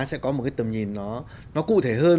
sẽ có một cái tầm nhìn nó cụ thể hơn